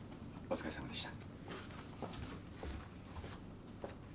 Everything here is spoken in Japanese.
お疲れさまでした。